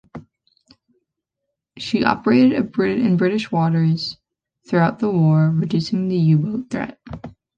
She operated in British waters throughout the war, reducing the U-boat threat.